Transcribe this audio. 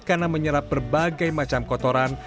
karena menyerap berbagai macam kotoran